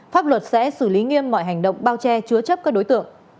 pháp luật sẽ xử lý nghiêm mọi hành động bao che chứa chấp các đối tượng